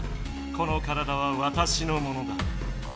この体はわたしのものだ。